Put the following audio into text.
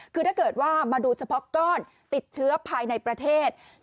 คือถ้าเกิดว่ามาดูเฉพาะก้อนติดเชื้อภายในประเทศ